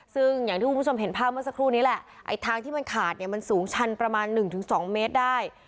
ซึ่งอย่างที่คุณผู้ชมเห็นภาพเมื่อสักครู่นี้แหละไอ้ทางที่มันขาดเนี่ยมันสูงชันประมาณ๑๒เมตรได้